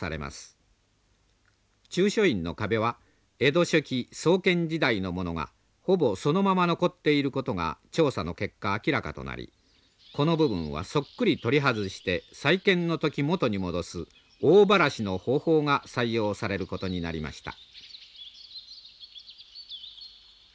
中書院の壁は江戸初期創建時代のものがほぼそのまま残っていることが調査の結果明らかとなりこの部分はそっくり取り外して再建の時元に戻す「大ばらし」の方法が採用されることになりました。